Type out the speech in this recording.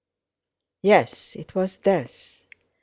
"Yes, it was death!